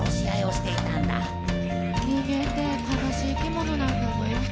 「人間って悲しい生き物なんだね」